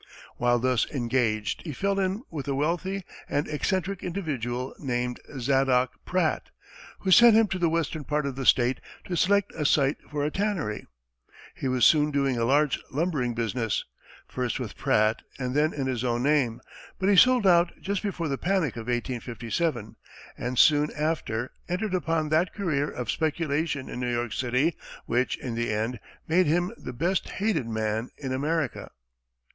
While thus engaged, he fell in with a wealthy and eccentric individual named Zadock Pratt, who sent him to the western part of the state to select a site for a tannery. He was soon doing a large lumbering business, first with Pratt and then in his own name; but he sold out just before the panic of 1857, and soon after entered upon that career of speculation in New York City which, in the end, made him the best hated man in America.